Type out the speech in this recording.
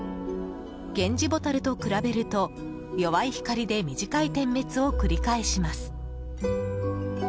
ゲンジボタルと比べると弱い光で短い点滅を繰り返します。